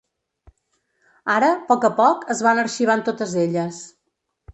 Ara, poc a poc, es van arxivant totes elles.